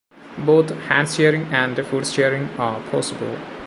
Both hand-steering and foot-steering are possible.